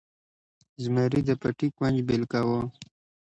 زمري د پټي کونج بیل کاوه.